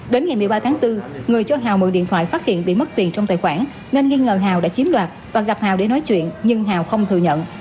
đến ngày một mươi ba tháng bốn người cho hào mượn điện thoại phát hiện bị mất tiền trong tài khoản nên nghi ngờ hào đã chiếm đoạt và gặp hào để nói chuyện nhưng hào không thừa nhận